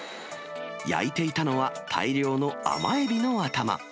焼いていたのは、大量の甘エビの頭。